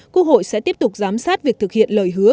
quốc hội sẽ tiếp tục giám sát việc thực hiện lời hứa